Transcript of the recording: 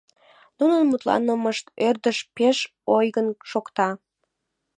Нунын мутланымышт ӧрдыш пеш оҥайын шокта.